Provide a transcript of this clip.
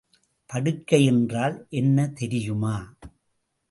படுக்கை என்றால் என்ன தெரியுமா?